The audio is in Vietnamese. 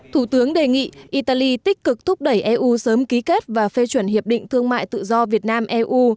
thủ tướng đề nghị italy tích cực thúc đẩy eu sớm ký kết và phê chuẩn hiệp định thương mại tự do việt nam eu